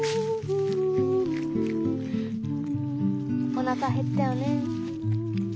おなかへったよね。